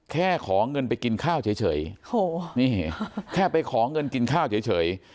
ขอเงินไปกินข้าวเฉยโอ้โหนี่แค่ไปขอเงินกินข้าวเฉย